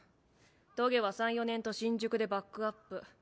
棘は三四年と新宿でバックアップ。